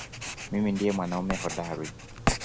Mimi ndiye mwanamume hodari